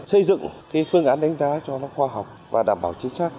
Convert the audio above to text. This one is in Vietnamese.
xây dựng cái phương án đánh giá cho nó khoa học và đảm bảo chính xác